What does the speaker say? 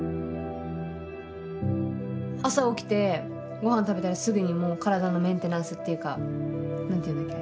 朝起きてごはん食べたらすぐにもう体のメンテナンスっていうか何て言うんだっけ？